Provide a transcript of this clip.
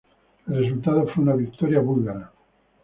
El resultado fue una victoria búlgara.